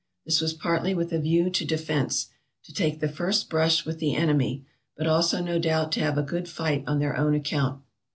This was partly with a view to defence, to take the first brush with the enemy, but also, no doubt, to have a good fight on their own account.